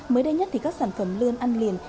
mới đây nhất thì các sản phẩm lươn ăn liền